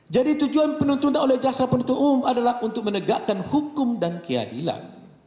jadi tujuan penuntutan oleh saksi penuntut umum adalah untuk menegakkan hukum dan keadilan